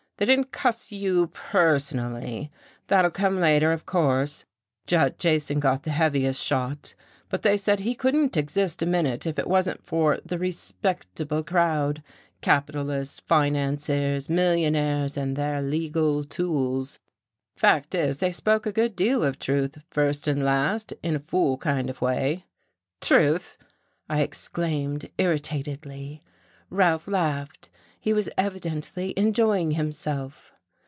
They didn't cuss you personally, that'll come later, of course. Judd Jason got the heaviest shot, but they said he couldn't exist a minute if it wasn't for the 'respectable' crowd capitalists, financiers, millionaires and their legal tools. Fact is, they spoke a good deal of truth, first and last, in a fool kind of way." "Truth!" I exclaimed irritatedly. Ralph laughed. He was evidently enjoying himself.